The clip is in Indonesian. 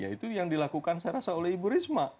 ya itu yang dilakukan saya rasa oleh ibu risma